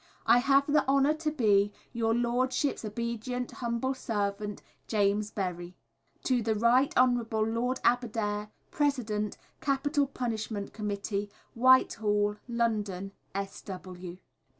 I have the honour to be Your Lordship's Obedient humble servant, JAMES BERRY. To the Right Honourable Lord Aberdare. President, Capital Punishment Committee, Whitehall, London, S.W.